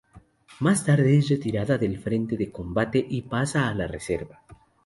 Más tarde es retirada del frente de combate y pasa a la reserva.